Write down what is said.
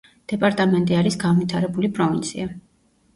დეპარტამენტი არის განვითარებული პროვინცია.